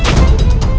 aku ingin menangkapmu